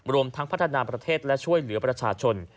รวมทั้งพัฒนาประเทศและช่วยเหลือประชาชน